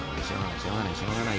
しょうがない。